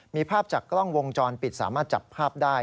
มีภาพจากกล้องวงจรปิดสามารถจับภาพได้